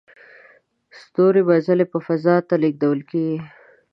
ستورمزلي په فضا ته لیږل کیږي